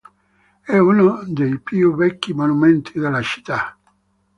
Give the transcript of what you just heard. È uno dei più vecchi monumenti della città.